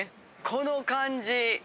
この感じ！